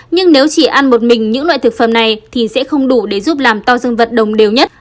nhưng nếu chỉ ăn một mình những loại thực phẩm này thì sẽ không đủ để giúp làm to dương vật đồng đều nhất